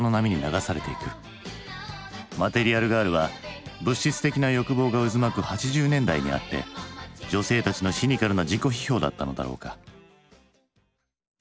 「マテリアル・ガール」は物質的な欲望が渦巻く８０年代にあって女性たちのシニカルな自己批評だったのだろうか？